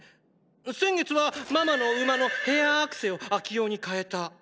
先月はママの馬のヘアアクセを秋用に変えた！